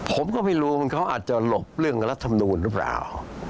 ผมก็ไม่รู้เขาอาจจะหลบเรื่องรัฐมนูลหรือเปล่า